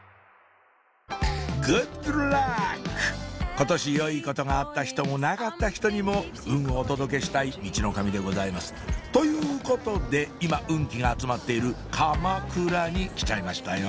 今年良いことがあった人もなかった人にも運をお届けしたいミチノカミでございますということで今運気が集まっている鎌倉に来ちゃいましたよ